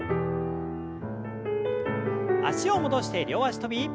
脚を戻して両脚跳び。